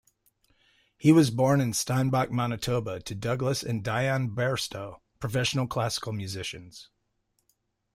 He was born in Steinbach, Manitoba, to Douglas and Diane Bairstow, professional classical musicians.